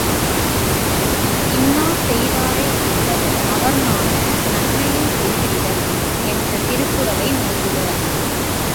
இன்னாசெய் தாரை ஒறுத்தல் அவர்நாண நன்னயம் செய்து விடல் என்ற திருக்குறளை நோக்குக.